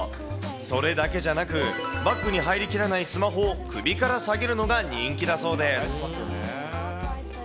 それだけじゃなく、バッグに入りきらないスマホを首から提げるのが人気だそうです。